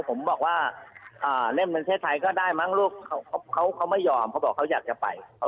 ผมบอกว่าเล่นประเทศไทยก็ได้มั้งลูกเขาไม่ยอมเขาบอกเขาอยากจะไป